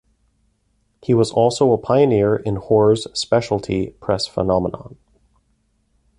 He was also a pioneer in horror's specialty press phenomenon.